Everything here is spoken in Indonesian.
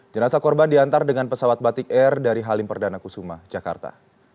jenazah korban diantar dengan pesawat batik air dari halim perdana kusuma jakarta